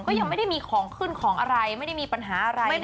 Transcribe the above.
ก็ยังไม่ได้มีของขึ้นของอะไรไม่ได้มีปัญหาอะไร